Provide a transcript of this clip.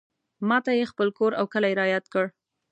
ماته یې خپل کور او کلی رایاد کړ.